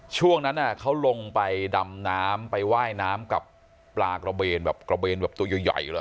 ช่วงนั้นเขาลงไปดำน้ำไปว่ายน้ำกับปลากระเบนแบบกระเบนแบบตัวใหญ่อยู่แล้ว